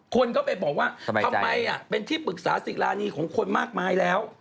คนก็ไปบอกว่าทำไมเป็นที่ปรึกษาศิรานีของคนมากมายแล้ว